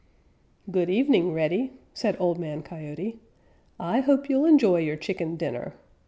"Good evening, Reddy," said Old Man Coyote. "I hope you'll enjoy your chicken dinner.